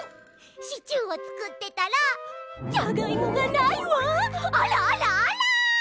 シチューをつくってたら「じゃがいもがないわあらあらあら」ってなってるところ！